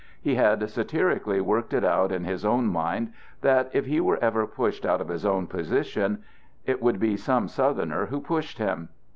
He had satirically worked it out in his own mind that if he were ever pushed out of his own position, it would be some Southerner who pushed him.